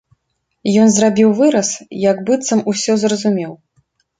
Ён зрабіў выраз, як быццам усё зразумеў.